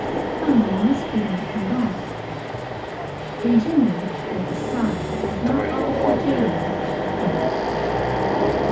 Come, we must get him to come back." And Jimmy, with a sigh that was not all for Jamie, went.